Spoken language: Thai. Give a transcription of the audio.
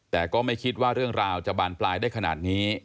แต่ก็ไม่คิดว่าเรื่องราวจะบานปลายได้ขนาดนี้